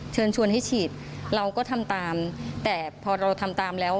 เชิญชวนให้ฉีดเราก็ทำตามแต่พอเราทำตามแล้ว